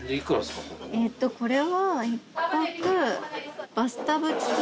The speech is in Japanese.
これは。